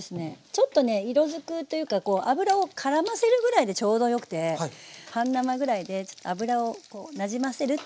ちょっとね色づくというか油をからませるぐらいでちょうどよくて半生ぐらいで油をなじませるっていう。